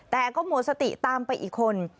แต่ก็หมดสติตามไปอีกคน